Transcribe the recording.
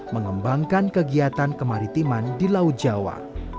mengembangkan kegiatan kemaritiman di laut jawa